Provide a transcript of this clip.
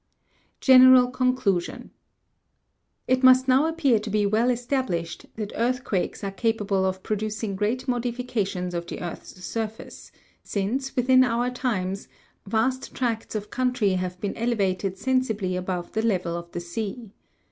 9. General conclusion. It must now appear to be well estab lished, that earthquakes are capable of producing great modifica tions of the earth's surface, since, within our times, vast tracts of country have been elevated sensibly above the level of the sea.